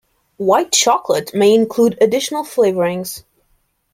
White chocolate may include additional flavorings.